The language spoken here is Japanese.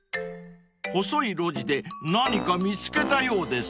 ［細い路地で何か見つけたようです］